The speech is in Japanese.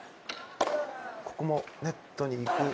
ここもネットに行く。